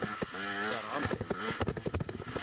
Tessṛeɣ-am-tent.